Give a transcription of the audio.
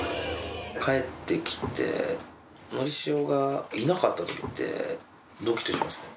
帰ってきて、のりしおがいなかったときってどきっとしますね。